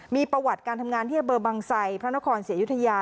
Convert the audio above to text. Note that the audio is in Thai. มีประวัติการทำงานที่เบอร์บังไซพระนครเสียยุทธยา